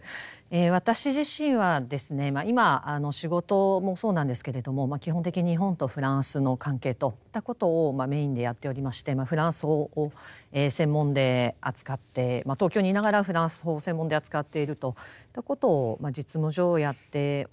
私自身はですね今仕事もそうなんですけれども基本的に日本とフランスの関係といったことをメインでやっておりましてフランス法を専門で扱って東京にいながらフランス法を専門で扱っているといったことを実務上やっております。